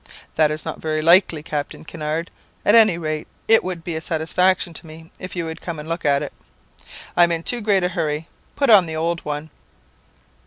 "'That is not very likely, Captain Kinnaird. At any rate, it would be a satisfaction to me if you would come and look at it.' "'I'm in too great a hurry. Put on the old one.'